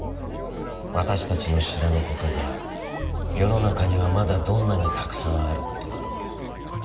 私達の知らぬことが世の中には、まだどんなに沢山あることだらう。